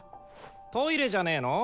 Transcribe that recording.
トイレじゃねえの？